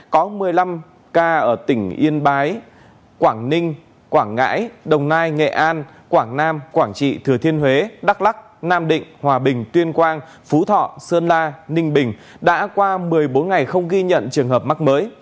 có một mươi năm ca ở tỉnh yên bái quảng ninh quảng ngãi đồng nai nghệ an quảng nam quảng trị thừa thiên huế đắk lắc nam định hòa bình tuyên quang phú thọ sơn la ninh bình đã qua một mươi bốn ngày không ghi nhận trường hợp mắc mới